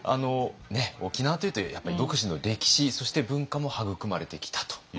沖縄というとやっぱり独自の歴史そして文化も育まれてきたということですね。